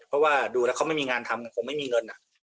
เพราะว่าดูแล้วเขาไม่มีงานทำคงไม่มีเงิน